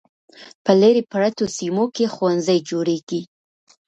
په لیرې پرتو سیمو کې ښوونځي جوړیږي.